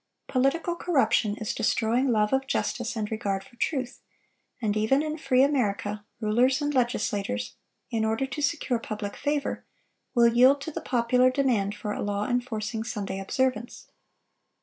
Political corruption is destroying love of justice and regard for truth; and even in free America, rulers and legislators, in order to secure public favor, will yield to the popular demand for a law enforcing Sunday observance.